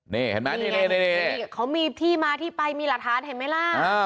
นี่เห็นไหมนี่เขามีที่มาที่ไปมีหลักฐานเห็นไหมล่ะ